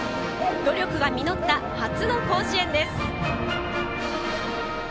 努力が実った初の甲子園です。